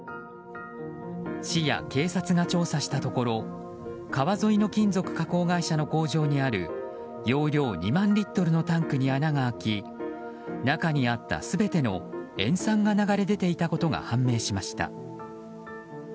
市や警察が調査したところ川沿いの金属加工会社の工場にある容量２万リットルのタンクに穴が開き中にあった全ての塩酸が流れ出ていたことが判明しました。